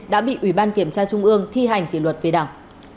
đã bị ubnd kiểm tra trung ương thi hành kỳ luật về đảng